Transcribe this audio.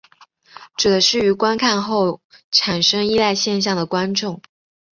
指的是于观看过后产生依赖现象的观众。